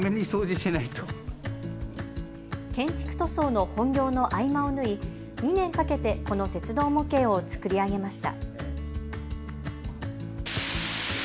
建築塗装の本業の合間を縫い２年かけてこの鉄道模型を作り上げました。